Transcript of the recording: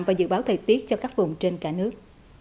và dự báo thời tiết cho các vùng trên cả nước